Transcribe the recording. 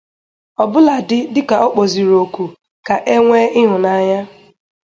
ọbụladị dịka ọ kpọzịrị oku ka e nwee ịhụnanya